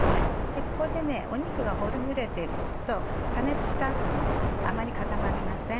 ここで肉がほぐれていくと加熱した後もあまり固まりません。